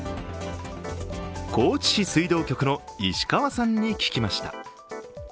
高知市水道局の石川さんに聞きました。